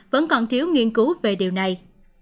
vẫn còn thiếu nghiên cứu về điều này